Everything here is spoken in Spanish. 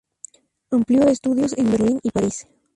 Amplió estudios en Berlín y París.